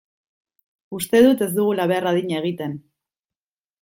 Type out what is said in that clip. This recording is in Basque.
Uste dut ez dugula behar adina egiten.